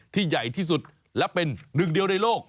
ใหญ่ที่สุดและเป็นหนึ่งเดียวในโลก